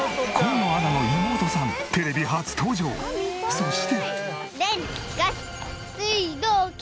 そして。